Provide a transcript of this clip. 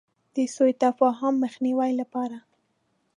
د سو تفاهم د مخنیوي لپاره.